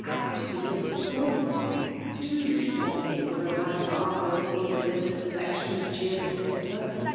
a]^t ta.'be a stormy one !— too stormy for a nMH ' of r A!rifaur*s indolent complexion and dieevfdl temper.